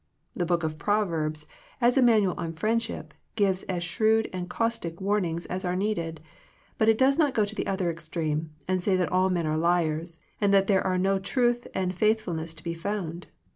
The Book of Proverbs, as a manual on friendship, gives as shrewd and caustic warnings as are needed, but it does not go to the other extreme, and say that \pll men a rejiars, that there are no truth and faithfulness to be found.